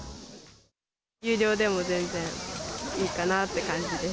有料でも全然いいかなって感じです。